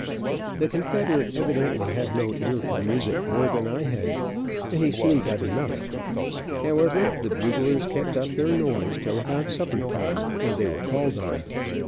The confederate evidently had no ear for music more than I had, and he soon got enough. However the buglers kept up their noise till about supper time, when they were called on.